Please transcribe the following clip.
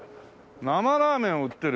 生ラーメンを売ってる。